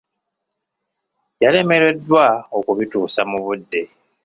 Yalemereddwa okubituusa mu budde.